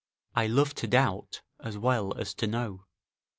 ["I love to doubt, as well as to know."